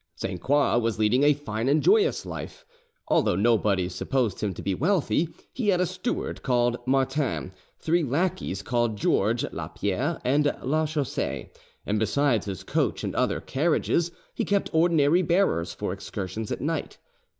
Sainte Croix was leading a fine and joyous life. Although nobody supposed him to be wealthy, he had a steward called Martin, three lackeys called George, Lapierre, and Lachaussee, and besides his coach and other carriages he kept ordinary bearers for excursions at night.